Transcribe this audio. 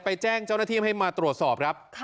แจ้งเจ้าหน้าที่ให้มาตรวจสอบครับ